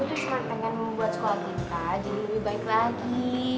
gue tuh cuma pengen membuat sekolah tingkat jadi lebih baik lagi